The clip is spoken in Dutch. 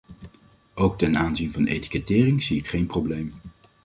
Ook ten aanzien van etiketteren zie ik geen probleem.